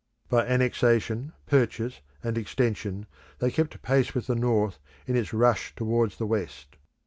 By annexation, purchase, and extension they kept pace with the North in its rush towards the West.